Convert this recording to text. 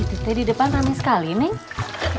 itu teh di depan kami sekali nek